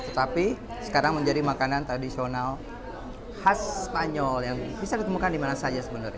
tetapi sekarang menjadi makanan tradisional khas spanyol yang bisa ditemukan dimana saja sebenarnya